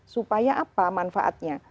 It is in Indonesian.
supaya apa manfaatnya